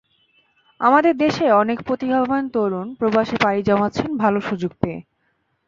আমাদের দেশের অনেক প্রতিভাবান তরুণ প্রবাসে পাড়ি জমাচ্ছেন ভালো সুযোগ পেয়ে।